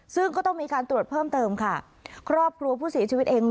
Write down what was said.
ซึ่งก็ต้องมีการตรวจเพิ่มเติมค่ะครอบครัวผู้เสียชีวิตเอง